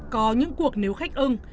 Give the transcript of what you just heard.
có những cuộc nếu khách ưng